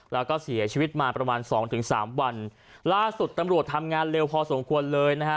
แล้วก็เสียชีวิตมาประมาณสองถึงสามวันล่าสุดตำรวจทำงานเร็วพอสมควรเลยนะฮะ